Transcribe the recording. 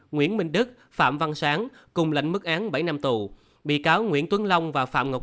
nguyễn minh đức phạm văn sáng cùng lệnh mức án bảy năm tù bị cáo nguyễn tuấn long và phạm ngọc